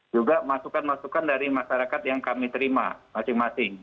juga masukan masukan dari masyarakat yang kami terima masing masing